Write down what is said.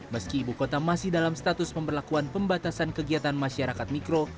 meski ibu kota masih dalam status pemberlakuan pembatasan kegiatan masyarakat mikro